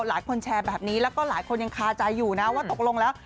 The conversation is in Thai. หลายคนแชร์แบบนี้แล้วก็หลายคนยังคาใจอยู่นะว่าตกลงแล้ว